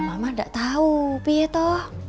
mama gak tau tapi itu